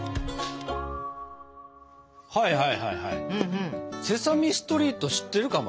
はいはいはいはい「セサミストリート」知ってる？